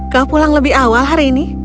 kau pulang lebih awal hari ini